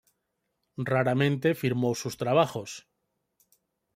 Raramente firmó sus trabajos.